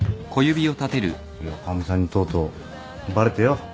いやかみさんにとうとうバレてよ。